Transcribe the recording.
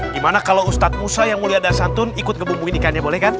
gimana kalau ustadz musa yang mulia dan santun ikut ngebumbuin ikannya boleh kan